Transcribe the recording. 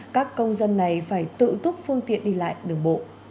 các công dân này phải tự túc phương tiện đi lại đường bộ